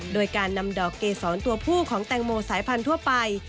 โดยการนำดอกเกษรตัวผู้ของแตงโมสายพันธุไป